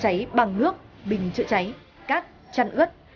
cháy bằng nước bình chữa cháy cát chăn ướt